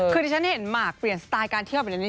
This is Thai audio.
คือที่ฉันเห็นหมากเปลี่ยนสไตล์การเที่ยวแบบนี้